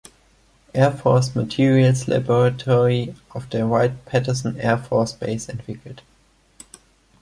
Air Force Materials Laboratory auf der Wright-Patterson Air Force Base entwickelt.